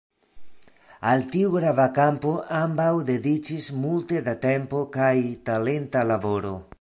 Al tiu grava kampo ambaŭ dediĉis multe da tempo kaj talenta laboro.